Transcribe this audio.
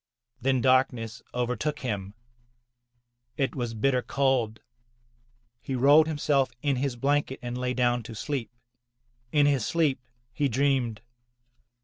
Then darkness overtook him. It was bitter cold. He rolled himself in his blanket and lay down to sleep. In his sleep he dreamed.